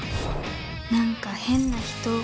何か変な人。